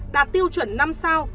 đạt tiêu chuẩn năm sao